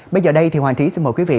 bây giờ đây thì hoàng trí xin mời quý vị